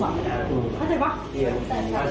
แล้วมันไม่เหมาะสมมันเสริมเสียชื่อเสียงและภาพลักษณ์